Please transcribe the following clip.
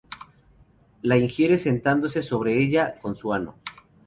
La ingiere sentándose sobre ella con su ano.